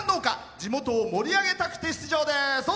地元を盛り上げたくて出場です。